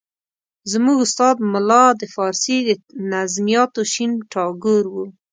زموږ استاد ملا د فارسي د نظمیاتو شین ټاګور وو.